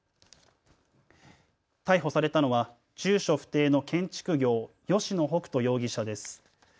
逮捕されたのは住所不定の建築業、吉野北斗容疑者です。